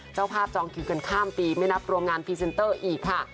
เจ้าภาพจองคิวกันข้ามปีไม่นับรวมงานพรีเซนเตอร์อีกค่ะ